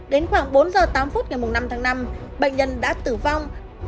đến khoảng bốn h tám phút ngày mùng năm tháng năm bệnh nhân đã tử vong